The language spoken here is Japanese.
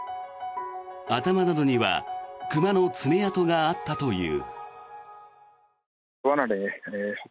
頭などには熊の爪痕があったという。